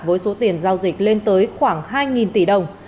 với số tiền giao dịch lên tới khoảng hai tỷ đồng